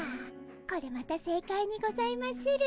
これまた正解にございまする。